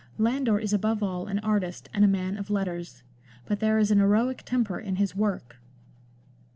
Landor is above all an artist and a man of letters, but there is an heroic temper in his work.